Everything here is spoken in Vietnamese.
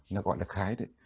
nó gọi là khái đấy